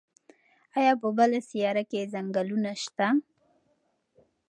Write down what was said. ایا په بله سیاره کې ځنګلونه شته؟